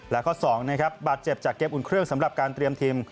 และข้อ๒บาดเจ็บจากเก็บอุ่นเครื่องสำหรับการเตรียมทีม